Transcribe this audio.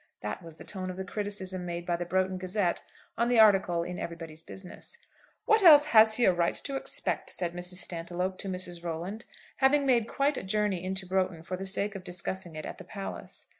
That was the tone of the criticism made by the 'Broughton Gazette' on the article in 'Everybody's Business.' "What else has he a right to expect?" said Mrs. Stantiloup to Mrs. Rolland, having made quite a journey into Broughton for the sake of discussing it at the palace.